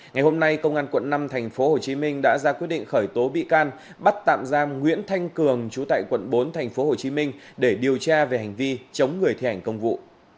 ngày hôm nay công an quận năm thành phố hồ chí minh đã ra quyết định khởi tố bị can bắt tạm giam nguyễn thanh cường chú tại quận bốn thành phố hồ chí minh để điều tra về hành vi chống người thi hành công vụ